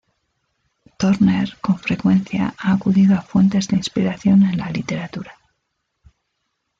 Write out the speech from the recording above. Torner con frecuencia ha acudido a fuentes de inspiración en la literatura.